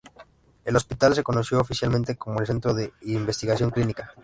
El hospital se conoció oficialmente como el Centro de Investigación Clínica.